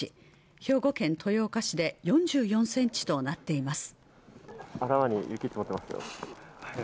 兵庫県豊岡市で４４センチとなっています